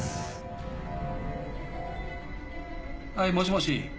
はいもしもし。